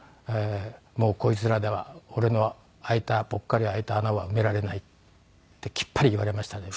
「もうこいつらでは俺のぽっかり開いた穴は埋められない」ってきっぱり言われましたね。